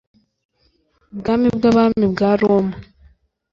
ubwami bw' abami bwa roma